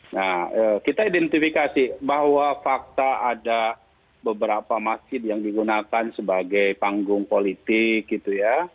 nah kita identifikasi bahwa fakta ada beberapa masjid yang digunakan sebagai panggung politik gitu ya